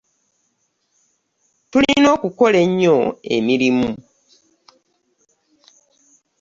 Tulina okukola ennyo emirimu.